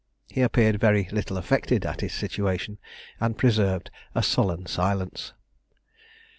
He appeared very little affected at his situation, and preserved a sullen silence.